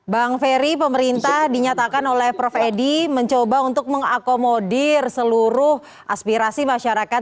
bang ferry pemerintah dinyatakan oleh prof edi mencoba untuk mengakomodir seluruh aspirasi masyarakat